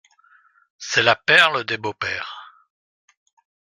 C'est la perle des beaux-pères.